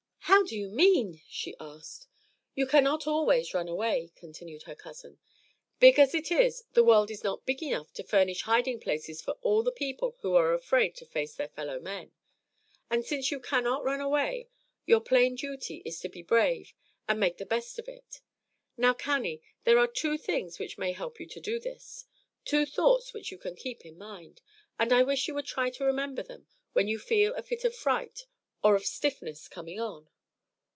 "How do you mean?" she asked. "You cannot always run away," continued her cousin. "Big as it is, the world is not big enough to furnish hiding places for all the people who are afraid to face their fellow men. And since you cannot run away, your plain duty is to be brave and make the best of it. Now, Cannie, there are two things which may help you to do this, two thoughts which you can keep in mind; and I wish you would try to remember them when you feel a fit of fright or of stiffness coming on."